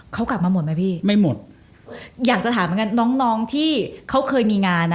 เขากลับมาหมดไหมพี่ไม่หมดอยากจะถามเหมือนกันน้องน้องที่เขาเคยมีงานอ่ะ